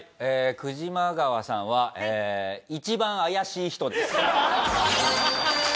クジマガワさんは一番怪しい人です。